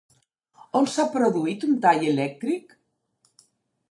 On s'ha produït un tall elèctric?